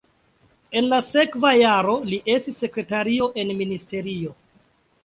En la sekva jaro li estis sekretario en ministerio.